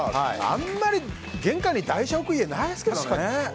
あんまり玄関に台車置く家ないですけどね。